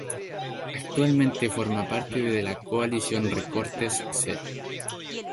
Actualmente forma parte de la coalición Recortes Cero.